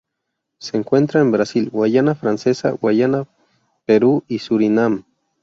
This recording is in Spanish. Se encuentra en Brasil, Guayana Francesa, Guayana, Perú y Surinam.